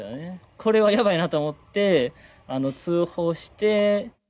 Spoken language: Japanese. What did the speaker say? これはやばいなと思って、通報して。